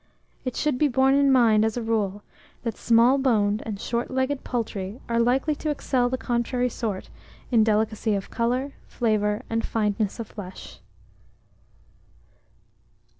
It should be borne in mind as a rule, that small boned and short legged poultry are likely to excel the contrary sort in delicacy of colour, flavour, and fineness of flesh.